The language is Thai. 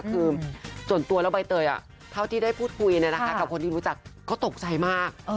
คือส่วนตัวแล้วใบเตยเท่าที่ได้พูดคุยกับคนที่รู้จักก็ตกใจมาก